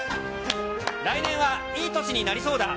来年はいい年になりそうだ。